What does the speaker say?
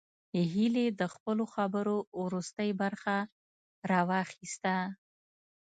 هيلې د خپلو خبرو وروستۍ برخه راواخيسته